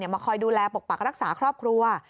มาคอยดูแลปกปักรักษาครอบครัว